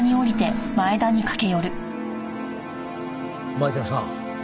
前田さん。